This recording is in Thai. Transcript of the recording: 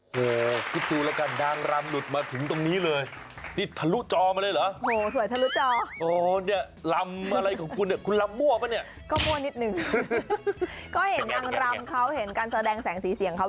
ก็อย่าหยับก่อนเอ็มเซียวมาลองเป็นอะไรกัน